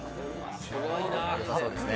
よさそうですね。